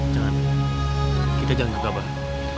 jangan kita jangan kegabalan